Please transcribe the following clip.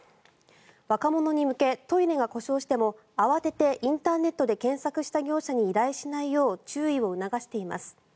若者に向け、トイレが故障しても慌ててインターネットで検索した業者に依頼しないよう注意を促しています。